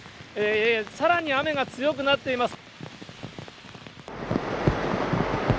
さらに雨が強くなっています。